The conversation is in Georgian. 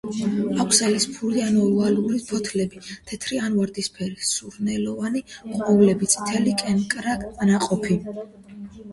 აქვს ელიფსური ან ოვალური ფოთლები, თეთრი ან ვარდისფერი სურნელოვანი ყვავილები, წითელი კენკრა ნაყოფი.